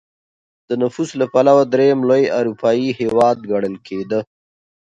د نفوس له پلوه درېیم لوی اروپايي هېواد ګڼل کېده.